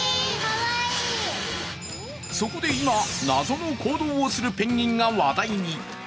そこで今、謎の行動をするペンギンが話題に。